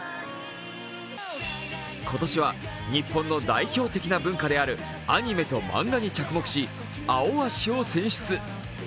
今年は、日本の代表的な文化であるアニメと漫画に着目し、「アオアシ」を選出。